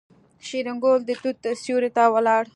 شېرګل د توت سيوري ته ولاړ.